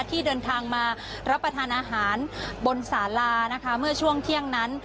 ที่เดินทางมารับประทานอาหารบนสารานะคะเมื่อช่วงเที่ยงนั้น